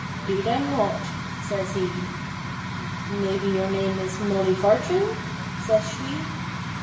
''Deed I am not,' says he. 'Maybe your name is Mollyvartin?' says she.